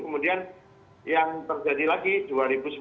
kemudian yang terjadi itu di kalimantan